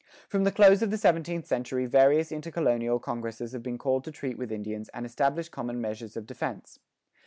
From the close of the seventeenth century various intercolonial congresses have been called to treat with Indians and establish common measures of defense.